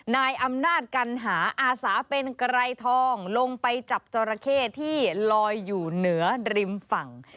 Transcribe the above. นายอำนาจกัณหาอาสาเป็นไกรทองลงไปจับจอราเข้ที่ลอยอยู่เหนือริมฝั่ง